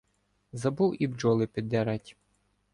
Забув і бджоли піддерать.